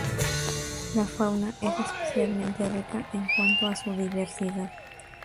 La fauna es especialmente rica en cuanto a su diversidad.